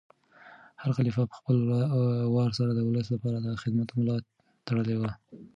هر خلیفه په خپل وار سره د ولس لپاره د خدمت ملا تړلې وه.